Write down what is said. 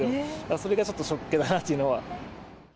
それがちょっとショックだなというのは。